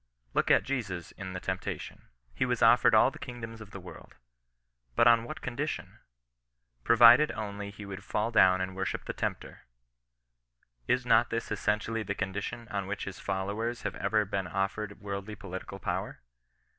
Look at Jesus in the temptation. He was offered all the kingdoms of the world. But on what condition ? Provided only he would fall down and worship the Tempter. Is not this essentially the condition on which his followers have ever been offered worldly political power?